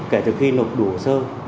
kể từ khi lục đủ sơ